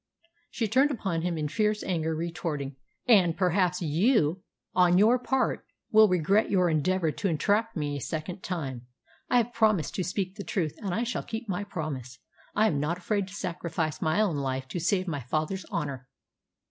She turned upon him in fierce anger, retorting, "And perhaps you, on your part, will regret your endeavour to entrap me a second time. I have promised to speak the truth, and I shall keep my promise. I am not afraid to sacrifice my own life to save my father's honour!"